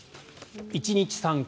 １日３回。